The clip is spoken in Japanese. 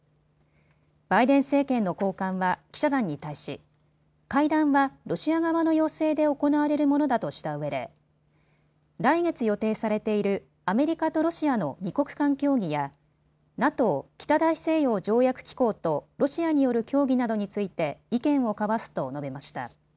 バイデン政権の高官は記者団に対し、会談はロシア側の要請で行われるものだとしたうえで来月、予定されているアメリカとロシアの２国間協議やＮＡＴＯ・北大西洋条約機構とロシアによる協議などについて意見を交わすと述べました。